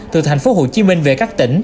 từ thành phố hồ chí minh về các tỉnh